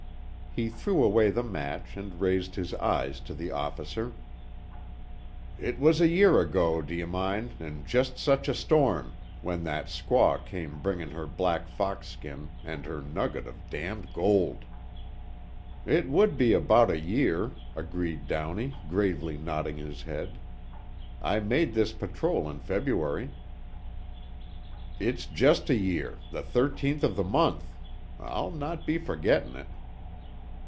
He threw away the match and raised his eyes to the officer: "It was a year ago, d'ye mind, an' just such a storm when that squaw came bringin' her black fox skin, and her nugget of damned gold." "It would be about a year," agreed Downey, gravely nodding his head. "I made this patrol in February." "It's just a year the thirteenth of the month. I'll not be forgetting it."